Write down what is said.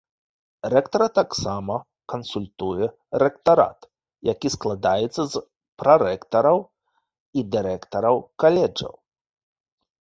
Рэктара таксама кансультуе рэктарат, які складаецца з прарэктараў і дырэктараў каледжаў.